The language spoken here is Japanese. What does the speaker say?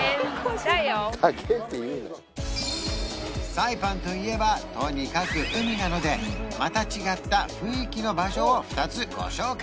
サイパンといえばとにかく海なのでまた違った雰囲気の場所を２つご紹介！